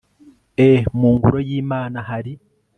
e mu ngoro y'imana hari